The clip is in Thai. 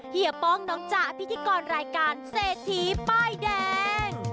เฮีป้องน้องจ๋าพิธีกรรายการเศรษฐีป้ายแดง